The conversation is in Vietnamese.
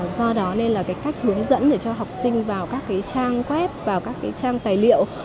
do đó nên là cái cách hướng dẫn để cho học sinh vào các trang web vào các trang tài liệu